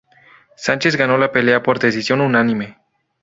Sánchez ganó la pelea por decisión unánime.